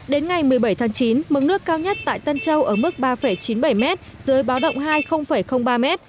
đến ngày một mươi bảy tháng chín mực nước cao nhất tại tân châu ở mức ba chín mươi bảy m dưới báo động hai ba m